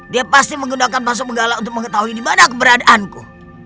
dia pasti menggunakan pasok benggala untuk mengetahui di mana keberadaanku